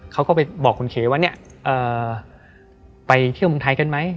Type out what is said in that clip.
เขาก็ไปบอกคุณเคว่าเนี่ยไปเที่ยวเมืองไทยกันไหม